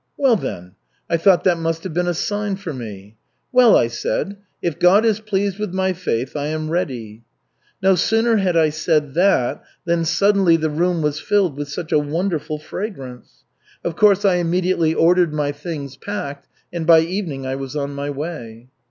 Well, then, I thought that must have been a sign for me. 'Well,' I said, 'if God is pleased with my faith, I am ready.' No sooner had I said that than suddenly the room was filled with such a wonderful fragrance. Of course I immediately ordered my things packed and by evening I was on my way."